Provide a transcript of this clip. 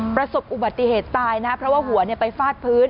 ประสบอุบัติเหตุตายนะเพราะว่าหัวไปฟาดพื้น